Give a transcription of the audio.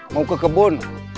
mau ke kebun